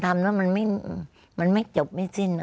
มันไม่ชมไม่สิ้น